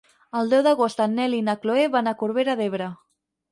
El deu d'agost en Nel i na Chloé van a Corbera d'Ebre.